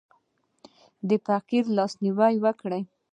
د فقیر لاس نیوی وکړه.